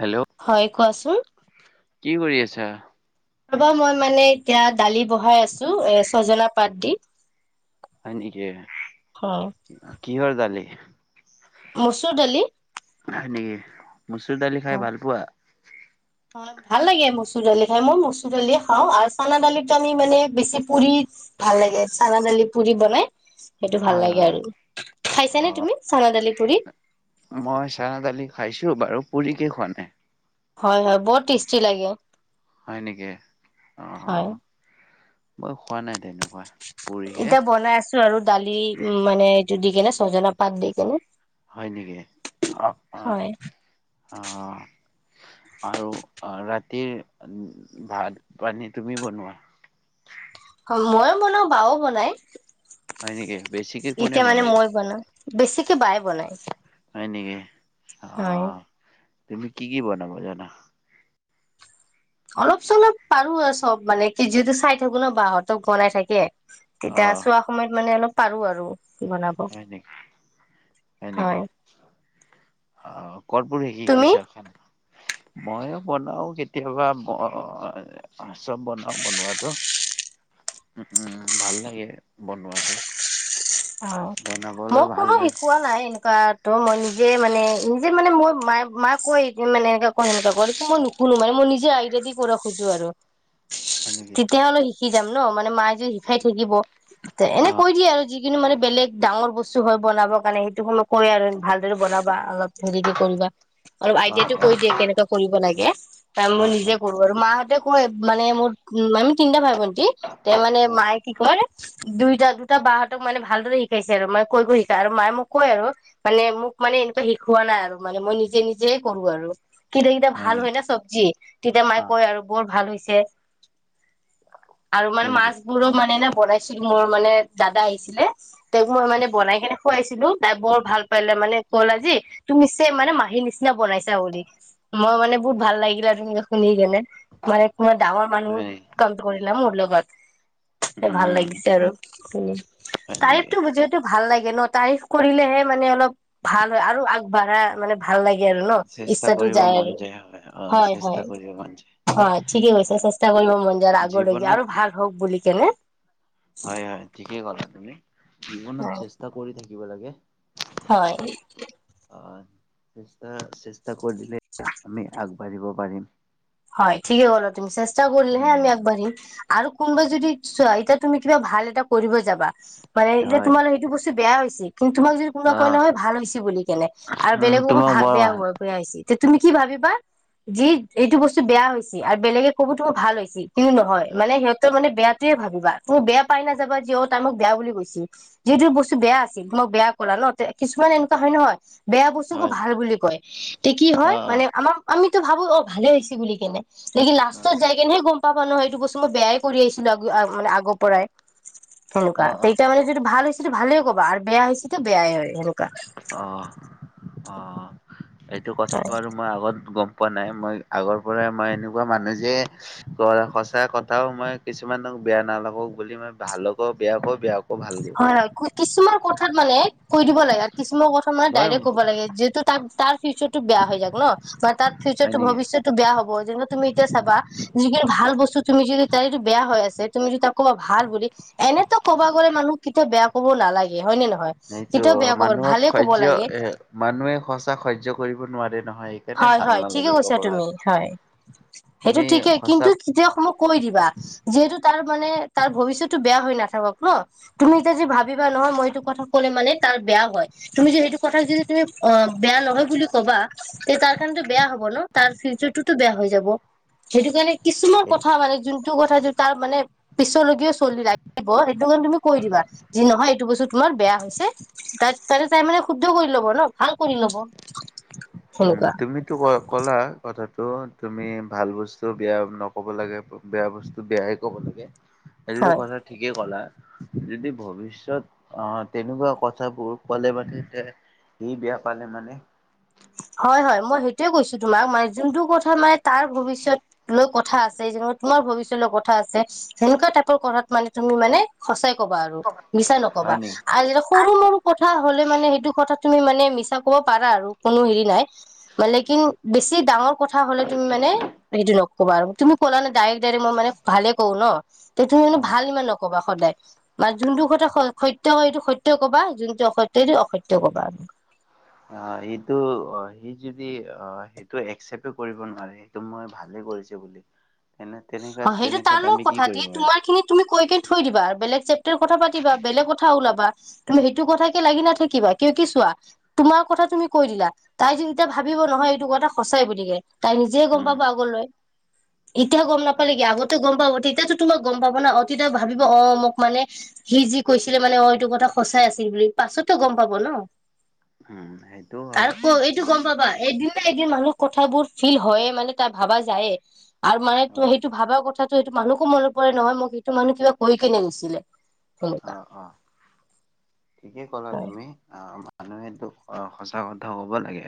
Hello! হয় কোৱাচোন। কি কৰি আছা? ৰবা মই মানে এতিয়া দালি বহাই আছো এ ছজনা পাত দি। হয় নেকি, হয় কিহৰ দালি? মচুৰ দালি। হয় নেকি? মচুৰ দালি খায় ভাল পোৱা? অ' ভাল লাগে মচুৰ দালি খায় মই মচুৰ দালি খাওঁ, আৰু চানা দালিতো আমি মানে বেছি পুৰি ভাল লাগে চানা দালি পুৰি বনাই সেইটো ভাল হয় লাগে হয় আৰু, খাইছা অ নে তুমি? চান দালি পুৰি? মই চানা দালি খাইছো বাৰু পুৰিকে খোৱা নাই। হয় হয় বৰ টেষ্টি লাগে। হয় নেকি? হয় অঁ মই খোৱা নাই তেন এতিয়া বনাই আছো আৰু দালি উ মানে এইটো দি কেনে ছজনা পাত দি কেনে। হয় নেকি? অ' অঁ' হয় অঁ। আৰু অঁ ৰাতিৰ ভাত পানী তুমি বনোৱা? মইয়ো বনাও বাও বনাই। হয় নেকি? বেছিকে কোনে এতিয়া মানে বনাই মই বনাওঁ, বেছিকে বাই বনাই। হয় নেকি? হয় অ' তুমি কি কি বনাব জানা? অলপ চলপ পাৰো আৰু চ'ব মানে কি যিহেতু চাই থাকো ন বাহঁতক বনাই থাকে। অ তেতিয়া চোৱা সময়ত মানে অলপ পাৰো আৰু। বনাব হয় নেকি? হয় নেকি? অ' ক'ত পঢ়ি তুমি শিকিছা খন? মইও বনাও কেতিয়াবা চ'ব বনাও বনুৱাওটো। উ উম, ভাল লাগে বনোৱাটো। অ' বনাবলৈ মোক ভাল কোনো লাগে শিকোৱা নাই এনে কা তো মই নিজে মানে নিজে মানে মো মাই কৈ মানে এনেকা কৰ সেনেকা কৰ মই কুনোবাৰে মোৰ মই নিজে আইডিয়া দি কৰিব খোজো আৰু। [inaudible] নেকি? তেতিয়া হ'লে শিকি যাম ন, ' মানে মায়ে যে শিকাই থৈ দিব এনে অ', কৈ দিয়ে আৰু কিন্তু মানে বেলেগ ডাঙৰ বস্তু হয় বনাবৰ কাৰণে সেইটো অলপ কয় আৰু ভালদৰে বনাবা অলপ হেৰিকে কৰিবা। আৰু অ', আইডিয়াটো অ', কৈ দিয়ে কেনেকুৱা কৰিব লাগে, তাৰ মই অ', নিজে অ', কৰো মাহঁতে কয় মানে মোৰ আমি তিনটা ভাই ভন্টি তে মানে অ', মায়ে কি কয় দুইটা দুটা বাহঁতক মানে ভালদৰে শিকাইছে আৰু মানে কৈ কৈ শিকায়, আৰু মায়ে মোক কয় আৰু মানে মোক মানে এনেকুৱা শিকোৱা নাই আৰু মানে মই নিজে নিজে কৰো আৰু। কেতিয়া কেতিয়া ভাল হয় না চব্জি, তেতিয়া মায়ে অ', কয় আৰু বৰ ভাল হৈছে। আৰু হয় মানে নেকি? মাছ বোৰো মানে না বনাইছিলো মোৰ মানে দাদা আহিছিলে। তেওঁক মই মানে বনাই কেনে খুৱাইছিলো তাই বৰ ভাল পালে মানে ক'লে যি তুমি চেম মানে মাহী নি নিচিনা বনাইছা বুলি, মই মানে বহুত ভাল লাগিলা তেনেকে শুনি কেনে। মানে তোমাৰ ডাঙৰ মানুহ হয় কাউণ্ট কৰিলা মোৰ লগত। ভাল উম, লাগিছে আৰু উমঁ' হয় তাইফ নেকি? একো [unintelligible] যিহেতু ভাল লাগে ন' তাৰিফ কৰিলেহে মানে অলপ ভাল হয় আৰু আগবাঢ়া মানে- ভাল লাগে আৰু ন' চেষ্টা ইচ্ছাটো কৰিব যায়, মন অ', হয় চেষ্টা হয়। কৰিব মন যায় হয়, ঠিকে কৈছা, চেষ্টা কৰিব মন যায় আগৰলৈকে জীৱনত আৰু ভাল হওক বুলি কেনে। হয় হয়, ঠিকেই ক'লা তুমি, হয় জীৱনত চেষ্টা কৰি থাকিব লাগে। হয়। হয়, চেষ্টা চেষ্টা কৰিলে আমি আগবাঢ়িব পাৰিম। হয়, ঠিকে ক'লা তুমি, চেষ্টা কৰিলে হে আমি উম, আগবাঢ়িম। আৰু কোনোবাই যদি চোৱা এতিয়া তুমি কিবা ভাল এটা কৰিব যাবা- মানে এই যে হয় তোমালোক সেইটো বস্তু বেয়া হৈছে কিন্তু তোমাক যদি- কোনোবাই কয় অ', নহয় ভাল হৈছে বুলি কেনে আৰু উম, বেলেগকো তোমাক ভাল বৰ বেয়া [unintelligible] বেয়া হৈছে, তে তুমি কি ভাবিবা যে এইটো বস্তু বেয়া হৈছে আৰু বেলেগে ক'ব তোমাৰ ভাল হৈছে। কিন্তু নহয় এ মানে সিহঁতে মানে বেয়াটোৱে ভাবিবা, তুমি বেয়া পাই নাযাবা [unintelligible] তাই মোক বেয়া বুলি কৈছিল। যিহেতু বস্তু বেয়া আছিল [unintelligible] বেয়া কলা ন' কিছুমান এনেকুৱা হয় নহয়- বেয়া বস্তুকো হয় ভাল বুলি কয়, তে কি হয় অ', অ', মানে আমাক আমিতো ভাবোঁ অঁ' ভালে হৈছে বুলি কেনে। লেকিন লাষ্টত যাই কেনেহে গম পাবা নহয় এইটো বস্তু মই বেয়াই কৰি আহিছিলো মানে আগৰ পৰাই। সেনেকুৱা, অ', অ', এতিয়া মানে যদি ভাল হৈছেতো ভালে ক'বা আৰু বেয়া হৈছেতো বেয়াই হয় সেনেকুৱা। অঁ' অঁ' এইটো কথা বাৰু আগত গম পোৱা নাই, মই আগৰ পৰাই মই এনেকুৱা মানে যে সঁচা কথাও মই- কিছুমানক বেয়া নালাগক বুলি মই ভালকো বেয়া কওঁ বেয়াকো ভাল- কওঁ হয় কিছুমান কথাত মানে কৈ দিব লাগে। কিছুমান কথা মানে মই ডাইৰেক্ট ক'ব লাগে যিহেতু তাৰ ফিউচাৰটো বেয়া হৈ যাব ন'। বা তাৰ হয় ফিউচাৰটো নেকি? ভৱিষ্যতো বেয়া হ'ব যেনে তুমি এতিয়া চাবা- যি খিনি ভাল বস্তু তুমি যদি তাইটো বেয়া হৈ আছে তুমি যদি তাক ক'বা ভাল বুলি- এনেতো কবা গ'লে মানুহ কেতিয়াও বেয়া ক'ব নালাগে, হয় নে নহয়। সেইটো কেতিয়াও বেয়া ক'ব মানুহক ভালে ক'ব সহ্য, লাগে এ মানুহে সঁচা সহ্য কৰিব নোৱাৰে নহয়। সেইকাৰণে হয় ভাল হয়, ঠিকে নালাগে ক'ব কৈছা তুমি, কাৰণে হয়, সেইটো তুমি ঠিকেই কিন্তু- সঁচা [unintelligible] কৈ দিবা যিহেতু তাৰ মানে তাৰ ভৱিষ্যতো বেয়া হৈ নাথাকক ন'। তুমি এতিয়া যদি ভাবিবা নহয় মই এইটো কথা ক'লে মানে তাৰ বেয়া হয়। তুমি যে সেইটো কথা যদি তুমি অঁ' বেয়া নহয় বুলি ক'বা- তে তাৰ কাৰণেটো বেয়া হ'ব ন' তাৰ ফিউচাৰটোতো বেয়া হৈ যাব। সেইটো কাৰণে কিছুমান কথা মানে যোনটো কথাটো তাৰ মানে- পিছলৈকেও চলি [unintelligible] ব সেইটো কাৰণে তুমি কৈ দিবা যি নহয় এইটো বস্তু তোমাৰ বেয়া হৈছে। তাত তাৰে তাই মানে শুদ্ধ কৰি ল'ব ন ভাল কৰি ল'ব। উম, সেনেকুৱা। তুমিতো ক-ক'লা কথাটো তুমি ভাল বস্তু বেয়া নক'ব লাগে- বেয়া বস্তু বেয়াই ক'ব লাগে হয় সেইটোতো কথা ঠিকেই ক'লা। যদি ভৱিষ্যত অঁ' তেনেকুৱা কথাবোৰ ক'লে মানে [unintelligible] সি বেয়া পালে মানে। হয় হয়, মই সেইটোয়ে কৈছো তোমাক মানে যোনটো কথা মানে তাৰ ভৱিষ্যত লৈ কথা আ [unintelligible] তোমাৰ ভৱিষ্যত লৈ কথা আছে সেনেকুৱা টাইপৰ কথাত মানে তুমি মানে সঁচাই- কবা আৰু মিছা নকবা হয় নেকি? আৰু যেতিয়া- সৰু মৰু কথা হ'লে মানে সেইটো কথা তুমি মানে মিছা ক'ব পাৰা আৰু। কোনো হেৰি নাই মানে কি বেছি ডাঙৰ কথা হ'লে তুমি মানে সেইটো নক'বা আৰু। তুমি ক'লা ন' ডাইৰেক্ট ডাইৰেক্ট মই মানে ভালে কওঁ ন' তে তুমি মানে অ'। ভাল ইমান নক'বা সদায়। মানে যোনটো কথা সত্য হয়, এইটো সত্য কথা কবা। যোনটো অসত্য এইটো অসত্য কবা। অ', এইটো, অ', সি যদি অ'। সেইটো একচেপ্ট কৰিব নোৱাৰি, সেইটো মই ভালে কৰিছোঁ বুলি। তেনে, অ তেনেকুৱাত সেইটো তাৰ তেনেকুৱাত লগত আমি কি কথা তি কৰিব পাৰিম। তোমাৰ খিনি তুমি কৈ কে থৈ দিবা, বেলেগ চেপ্টাৰ কথা পাতিবা। বেলেগ কথা ওলাবা। তুমি এইটো কথাতে লাগি নাথাকিবা, কিয়ো কি চোৱা? তোমাৰ কথা তুমি কৈ দিলা, তাই যে এতিয়া ভাবিব নহয়। এইটো কথা সঁচাই বুলিকে। তাই নিজে গম উম। পাব আগলৈ, এতিয়া গম নাপালে কি আগত। গম পাব, তেতিয়াতো তোমাক গম পাব না। ভাবিব অ' মোক মানে সি যি কৈছিলে মানে, অ', এইটো কথা সঁচাই আছিল বুলি। পাছততো গম পাব ন'। উম, সেইটোও হয় কাৰণ ক' এইটো গম পাবা। এদিন নহয়, এদিন মানুহ কথাবোৰ ফিল হয়ে, মানে তাৰ ভাবা যায়ে। আৰু মানে অ', সেইটো ভাবা কথাটো, সেইটো মানুহকো মনত পৰে নহয়। মোক সেইটো মানুহ কিবা কৈ কেনে নিছিলে। অ'অ', ঠিকে ক'লা হয়। তুমি। অ', আপুনিটো অ', সঁচা কথা ক'ব লাগে।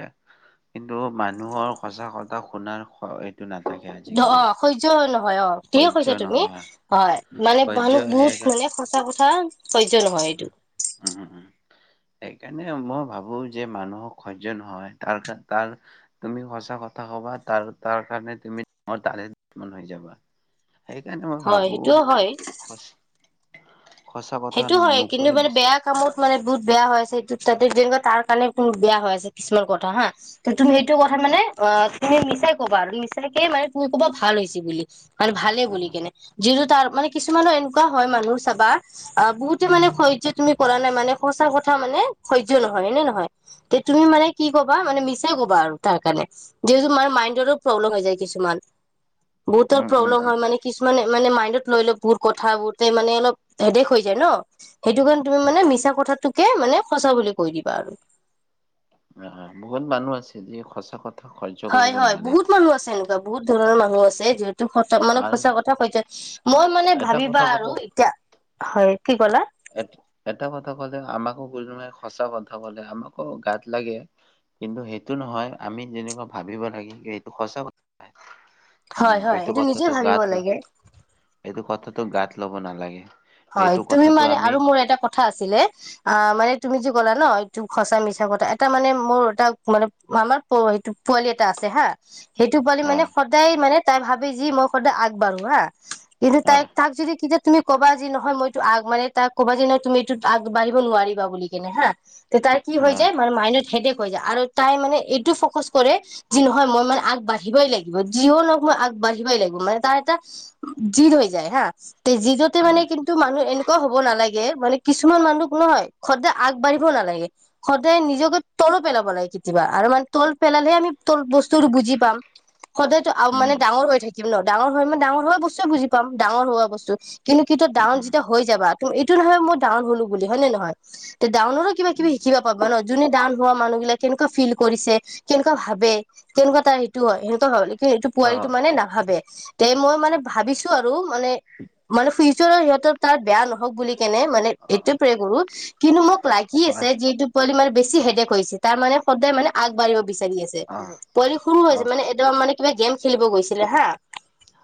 কিন্তু মানুহৰ সঁচা কথা শুনাৰ তটো নাথাকে। আজিকালি। অ', সহ্য নহয়, অ', থিকে সহ্য কৈছাঁ তুমি। নহয় হয়, মানে সহ্য মানুহ বহুত এক কোনে সঁচা কথা সহ্য নহয়, এইটো। উম্, উম্, উম্। সেইকাৰণে মই ভাবোঁ, যে মানুহক সহ্য নহয়, তাৰ কাৰ তাৰ তুমি সঁচা কথা কবা, তাৰ তাৰ কাৰণে তুমি অদাৰেন্ত বনাই যাবা। সেই কাৰণে মই হয় ভাবোঁ, সেইটোও হয় সঁচা সঁচা কথ সেইটো হয়, কিন্তু মানে বেয়া কামত মানে বহুত বেয়া হৈ আছে, এই ত' তাতে তাৰ কাৰণে বেয়া হৈ আছে, কিছুমান কথা হা। তুমি সেইটো কথা মানে, অ', তুমি মিছাই ক'বা আৰু মিছাকে মানে তুমি ক'বা ভাল হৈছে বুলি। মানে ভালে বুলি উম কেনে, যিটো তাৰ মানে কিছুমানো এনেকুৱা হয়, মানুহ চাবা অ', বহুতে মানে সহ্য তুমি কৰা নাই মানে, সঁচা কথা মানে সহ্য নহয়, হয় নে নহয়। তে তুমি মানে কি ক'বা, মানে মিছাই কবা আৰু তাৰ কাৰণে। যিহেতু তোমাৰ মাইণ্ডৰো প্ৰব্লেম হৈ যায়, কিছুমান। বহুতৰ উম প্ৰব্লেম উম হয় মানে, কিছুমানে মানে মাইণ্ডত লৈ লয় বহুত কথা। বহুতে মানে অলপ হেদেক হৈ যায় ন', সেইটো কাৰণে তুমি মানে মিছা কথাটোকে মানে, সঁচা বুলি কৈ দিবা আৰু। হয় হয়, বহুত মানুহ আছে। যিয়ে সঁচা কথ হয় হয়, বহুত মানুহ আছে এনেকুৱা, বহুত ধৰণৰ মানুহ আছে। যিহেতু মানে আৰু সঁচা কথা কৈ যে, মই মানে এটা কথা ভাবিবাঁ ক'ব আৰু এতিয়া, হয় কি ক'লা? এক এটা কথা ক'লে, আমাকো বুজি নে, সঁচা কথা ক'লে, আমাকো গাত লাগে। কিন্তু সেইটো নহয়, আমি জেনিবা ভাবিব লাগে, এইটো সঁচা কথাই। হয় উম্, হয় এইটো নিজে কথাটো ভাবিব গাত ল, লাগে এইটো কথাটো গাত ল'ব নালাগে। হয়, সেইটো তুমি কথাটো মানে আমি আৰু মোৰ এটা কথা আছিলে। অ', মানে তুমি যে ক'লা ন', এইটো সঁচা মিছা কথা। এটা মানে মোৰ এটা মানে মামাৰ অ', এইটো পোৱালি এটা আছে হা। সেইটো পোৱালি মানে, আহ সদায় মানে তাই ভাবে যে, মই সদায় আগবাঢ়োঁ হা। কিন্তু তাইক, আহ তাক যদি তেতিয়া তুমি কবা যি নহয়, মইটো আগ মানে তাক ক'বা যে, নহয় তুমি এইটোত আগবঢ়িব নোৱাৰিবা বুলি কেনে হা। তে তাইৰ কি হৈ আহ যায়, মানে মাইণ্ডৰ হেডেক হৈ যায় আৰু তাইৰমানে এইটো ফ'কাচ কৰে যি নহয় মই মানে আগবাঢ়িবই লাগিব, জীৱনত মই আগবাঢ়িবই লাগিব মানে তাৰ এটা- জিদ হৈ যায় হা। তে জিদতে আহ মানে কিন্তু মানুহ এনেকুৱা হ'ব নালাগে মানে- কিছুমান মানুহ নহয় সদায় আগবাঢ়িব নালাগে। সদায় নিজকে তল পেলাব লাগে কেতিয়াবা আৰু মানে তল পেলালেহে আমি তল বস্তুটো বুজি পাম। [inaudible] সদায়টো আম মানে উম ডাঙৰ হৈ থাকিম ন, ডাঙৰ হৈ মই ডাঙৰ হোৱা বস্তুৱে বুজি পাম ডাঙৰ হোৱা বস্তু। কিন্তু- কিন্তু ডাঙৰ উম যেতিয়া হৈ যাবা তুমি এইটো নহয় মই ডাঙৰ হ'লো বুলি, হয় নে নহয়? তে ডাঙৰ হৈয়ো কিবা কিবি উম শিকিবপাবা ন। যোনে ডাঙৰ - হোৱা মানুহ বিলাক কেনেকুৱা ফিল কৰিছে, কেনেকুৱা ভাবে, কেনেকুৱা তাৰ এইটো হয়। হ'ল এইটো অ পোৱালিটো মানে নাভাবে। তে মই মানে ভাবিছো আৰু মানে মানে ফিছট- চুৰো সিহঁতৰ তাৰ বেয়া নহওঁক বুলি কেনে মানে অ এইটো প্ৰে কৰো। কিন্তু মোক লাগি আছে হয় যিটো- পোৱালি মানে বেছি হেডেক হৈছে তাৰ মানে সদায় মানে আগবাঢ়িব বিচাৰি আছে। অ পোৱালি সৰু হৈ অ আছে মানে এত ত মানে কিবা গেম খেলিব গৈছিলে হা।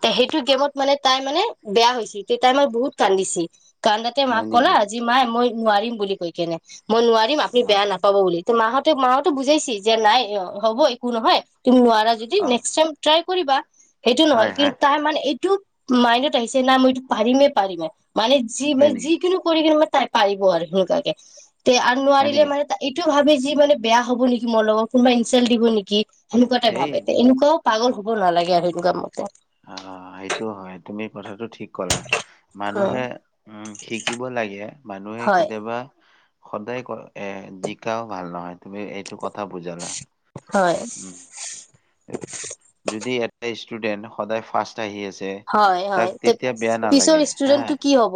তে হেইটো গেমত মানে তাই মানে বেয়া হৈছি। কে তাই মানে বহুত কান্দিছিল, কান্দাতে হয় মাক কলা নেকি আজি মাই মই নোৱাৰিম বুলি কৈ কেনে। মই নোৱাৰিম অ আপুনি বেয়া বুলি। মাহঁতে- মাহঁতে বুজাইছি যে নাই হব। একো নহয় তুমি নোৱাৰা যদি অ নেক্স টাইম ট্ৰাই কৰিবা। সেইটো নহয় হয় কিন্তু হয় তাই মানে এইটো- মাইণ্ডত আহিছে নাই মই এইটো পাৰিমে পাৰিমে মানে যি ম, হয় নেকি যিকোনো কৰি কি ম তাই- পাৰিব আৰু সেনেকুৱাকে তে আৰু হয় নোৱাৰিলে নেকি মানে- এইটোয়ে ভাবে য যে মানে বেয়া হ'ব নেকি মোৰ লগত কোনোবা ইনচাল্ট দিব নেকি সেকুৱা াই এই ভাবে তে এইটো এনেকুৱও। [inaudible] এইটোয়ে ভাবে যে মানে বেয়া হ'ব নেকি মোৰ লগত, কোনোবা ইনচাল্ট দিব নেকি, সেনেকুৱা তাই ভাবে। তে এনেকুৱাও- পাগল হ'ব নালাগে আৰু সেইনেকুৱা মতে। অঁ, সেইটো হয়। তুমি কথাটো ঠিক কলা, মানুহে- উম, শিকিব লাগে মানুহে হয়, কেতিয়াবা- সদায় ক এ জিকাও ভাল নহয়, তুমি এইটো কথা বুজালা। হয়। যদি এটা ষ্টুডেট সদায় ফাৰ্ষ্ট - আহি আছে, হয়, হয়, তাক তে তেতিয়া বেয়া পিছৰ নালাগে ষ্টুডেন্টটো হা- কি হ'ব?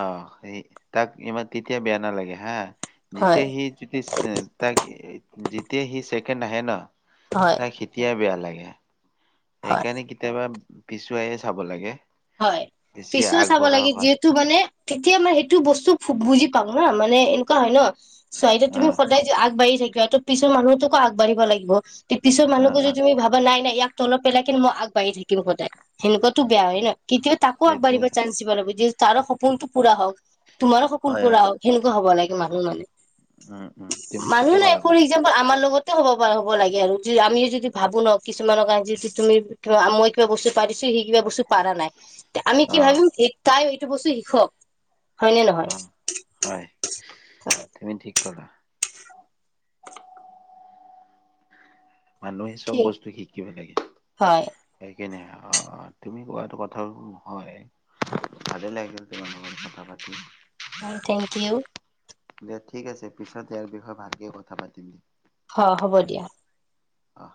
অঁ, সেই তাক ইমান তেতিয়া বেয়া নালাগে হা হয়, যেতিয়া সি- ইটিজ য়া তাক যেতিয়া সি চেকেণ্ড আহে ন, হয়, তাক- তেতিয়াই বেয়া লাগে হয়, সেইকাৰণে কেতিয়াবা পিছুৱাই চাব লাগে। হয়, বেছি পিছুৱাই চাব আগবঢ়া লাগে হোৱা যিহেতু- টো মানে তেতিয়া মানে সেইটো বস্তু বুজি পাব মানে এনেকুৱা ন। চোৱা এতিয়া অ তুমি সদায় আগবাঢ়ি থাকিবা আৰু ত পিছৰ মানুহতোকো আগবাঢ়িব লাগিব। পিছৰ অ', মানুহক যদি অ', তুমি ভাবা নাই নাইয়াক তলত পেলাই কিন্ত আগবঢ়ি থাকম সদায় সেনেকুৱাো বেয়া হয় অ', নয়। [inaudible] পিছৰ মানুহক যদি পিছৰ মানুহবোৰো তুমি ভাবা নাই না ইয়াক তলত পেলাই কেনি মই আগবাঢ়ি থাকিম সদায়, সেনেকুৱা বেয়া হয় ন। কেতিয়া তাকো সেইটো আগবাঢ়িবা চানঞ্চ লাগিব, যে তাৰো সপোনটো পুৰা হওঁক। তোমাৰো সপোন হয়, পোৱা হওঁক, সেনেকুৱা হ'ব লাগে মানুহ মানে। উম, উম, তুমি মানুহ ঠিকে নাই ক'লা ফুৰি কথা যাম। আমাৰ লগতে হ'ব পা হ'ব লাগে আৰু আমিও যদি ভাবো ন কিছুমানক আজি যদি তুমি - কিবা মই কিবা বস্তু পাৰিছো, সি কিবা বচি পাৰা নাই। আমি কি অ', ভাবিম এই তাই এইটো বস্তু শিকক, হয়নে নহয়? অ'। হয়, তুমি ঠিক কলা। মানুহে চব ঠিক বস্তু শিকিব লাগে। হয় সেইকাৰণে অঁ, তুমি কোৱা কথাও হয়। ভালে লাগিল তোমাৰ লগত কথা পাতি। থেংক ইউ দে ঠিক আছে পিছত ইয়াৰ বিষয়ে ভালকে কথা পাতিম। অঁ, হ'ব দিয়া। অঁ।